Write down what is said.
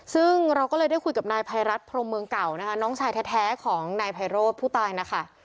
ซึ่งเราก็เลยได้คุยกับนายภัยรัฐพรมเมืองเก่านะคะน้องชายแท้ของนายไพโรธผู้ตายนะคะ